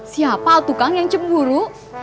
siapa tuh kang yang cemburu